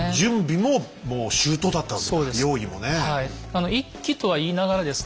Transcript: あの一揆とは言いながらですね